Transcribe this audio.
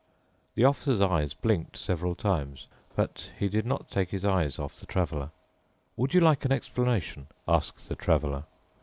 The Officer's eyes blinked several times, but he did not take his eyes off the Traveler. "Would you like an explanation," asked the Traveler.